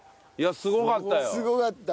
すごかった。